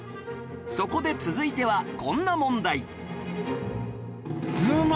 そこで続いてはこんな問題